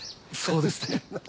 そうですね。